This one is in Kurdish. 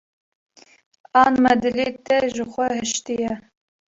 an me dilê te ji xwe hîştî ye.